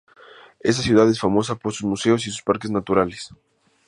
Esta ciudad es famosa por sus museos y sus parques naturales.